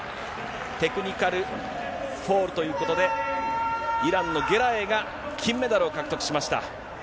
テクニカルフォールということで、イランのゲラエイが金メダルを獲得しました。